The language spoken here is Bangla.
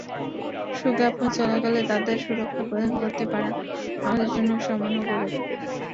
শোকজ্ঞাপন চলাকালে তাদের সুরক্ষা প্রদান করতে পারা আমাদের জন্য সম্মান ও গৌরবের।